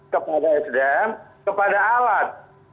kepada sdm kepada alat